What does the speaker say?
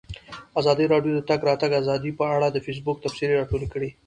ازادي راډیو د د تګ راتګ ازادي په اړه د فیسبوک تبصرې راټولې کړي.